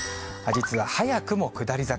実は早くも下り坂。